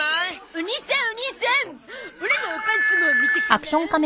お兄さんお兄さんオラのおパンツも見てかなーい？